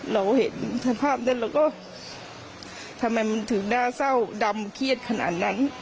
เราเห็นสภาพนั้นเราก็ทำไมมันถึงน่าเศร้าดำเครียดขนาดนั้น